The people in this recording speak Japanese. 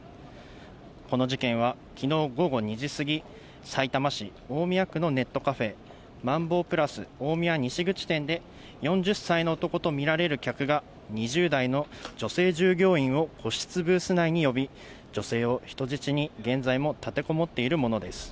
この事件は、きのう午後２時過ぎ、さいたま市大宮区のネットカフェ、マンボープラス大宮西口店で、４０歳の男と見られる客が、２０代の女性従業員を個室ブース内に呼び、女性を人質に現在も立てこもっているものです。